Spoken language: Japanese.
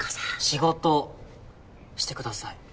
仕事してください。